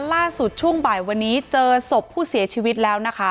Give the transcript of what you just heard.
ช่วงบ่ายวันนี้เจอศพผู้เสียชีวิตแล้วนะคะ